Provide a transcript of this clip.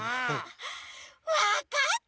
わかった！